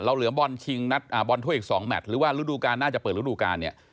เราเหลือบอลทั่วอีก๒แมตรหรือว่ารูดูการน่าจะเปิดรูดูการเนี่ย